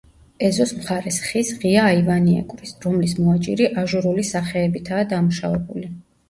ეზოს მხარეს ხის ღია აივანი ეკვრის რომლის მოაჯირი აჟურული სახეებითაა დამუშავებული.